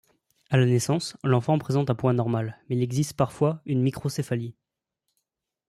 À la naissance, l'enfant présente un poids normal mais il existe parfois une microcéphalie.